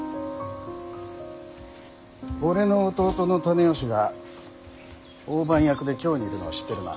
俺の弟の胤義が大番役で京にいるのは知ってるな。